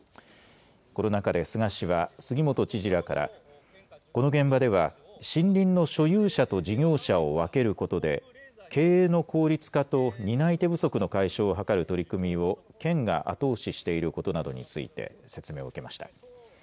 この中で菅氏は、杉本知事らから、この現場では、森林の所有者と事業者を分けることで、経営の効率化と、担い手不足の解消を図る取り組みを県が後押ししていることなどについて、説明を受けました。